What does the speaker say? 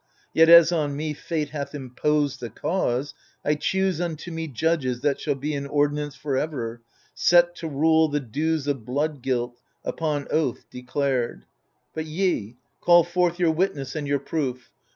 Yet, as on me Fate hath imppsgd^the cause, I choose unto me judges that shall be An ordinance for ever, set to rule The dues of blood guilt, upon oath declared. But ye, call forth your witness and your proof.